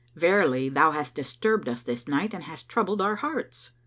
Verily thou hast disturbed us this night and hast troubled our hearts."